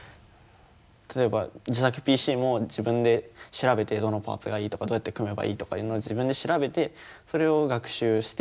例えば自作ＰＣも自分で調べてどのパーツがいいとかどうやって組めばいいとかいうのを自分で調べてそれを学習して。